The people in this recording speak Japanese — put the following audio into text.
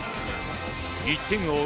１点を追う